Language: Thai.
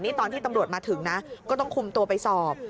นี่ตอนที่ตำรวจมาถึงนะก็ต้องคุมตัวไปสอบ